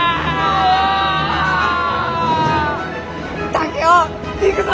竹雄行くぞ！